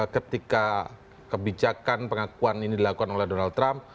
ketika kebijakan pengakuan ini dilakukan oleh donald trump